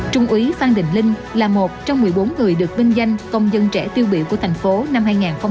trung úy phan đình linh là một trong một mươi bốn người được vinh danh công dân trẻ tiêu biểu của thành phố năm hai nghìn một mươi tám